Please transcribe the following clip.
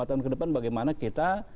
lima tahun ke depan bagaimana kita